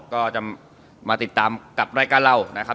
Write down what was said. ก็จะมาติดตามกับรายการเรา